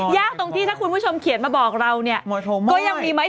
ยากตรงที่ถ้าคุณผู้ชมเขียนมาบอกเราพี่ชอบสร้างเนีย